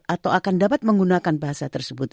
atau akan dapat menggunakan bahasa tersebut